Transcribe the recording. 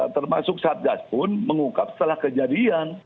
termasuk satgas pun mengungkap setelah kejadian